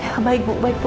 ya baik bu baik bu